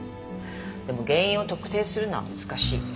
でも原因を特定するのは難しいわね。